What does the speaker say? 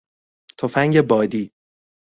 تفنگ بادی